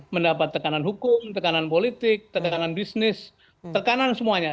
mendapat tekanan hukum tekanan politik tekanan bisnis tekanan semuanya